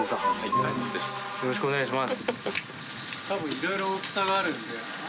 よろしくお願いします。